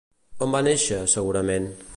On va néixer, segurament?